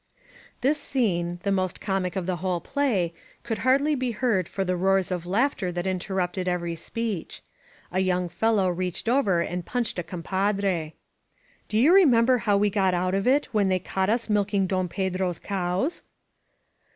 This scene, the most comic of the whole play, could hardly be heard for the roars of laughter that inter rupted every speech. A young fellow reached over and punched a compadre, Do you remember how we got out of it when they caught us milking Don Pedro's cows?"